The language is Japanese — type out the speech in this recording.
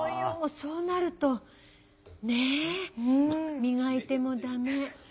そうなるとねえ磨いてもダメ。